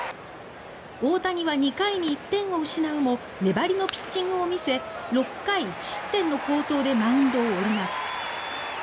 大谷は２回に１点を失うも粘りのピッチングを見せ６回１失点の好投でマウンドを降ります。